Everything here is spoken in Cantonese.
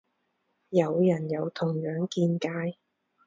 有人有同樣見解